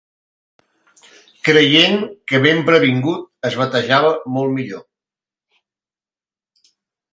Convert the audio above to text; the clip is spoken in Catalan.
Creient que ben previngut es batejava molt millor